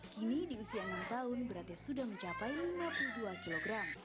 kini di usia enam tahun beratnya sudah mencapai lima puluh dua kg